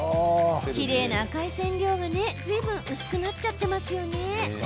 きれいな赤い染料が、ずいぶん薄くなってしまっていますよね。